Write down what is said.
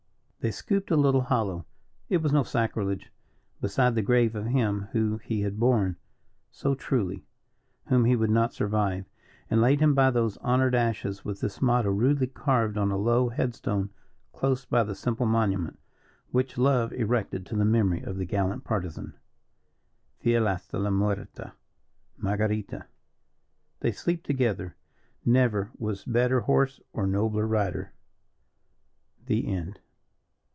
They scooped a little hollow it was no sacrilege beside the grave of him whom he had borne so truly, whom he would not survive, and laid him by those honoured ashes, with this motto rudely carved on a low headstone close by the simple monument, which love erected to the memory of the gallant Partisan: +Fiel hasta la Muerte.+ +Marguerita.+ They sleep together. Never was better horse or nobler rider. THE END.